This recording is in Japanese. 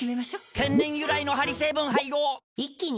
天然由来のハリ成分配合一気に！